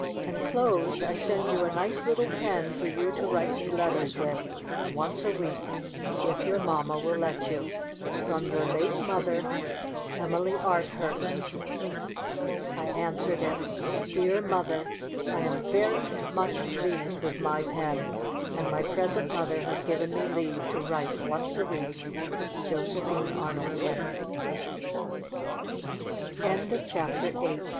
Inclosed I send you a nice little pen for you to write me letters with once a week, if your mamma will let you. From your late mother, Emily Arthurst. I answered it :— Dear mother, — I am very much pleased with my pen, and my present mother has given me leave to wri